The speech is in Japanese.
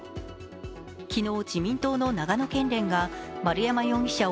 昨日、自民党の長野県連が丸山容疑者を